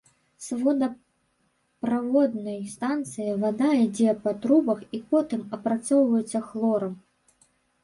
З водаправоднай станцыі вада ідзе па трубах і потым апрацоўваецца хлорам.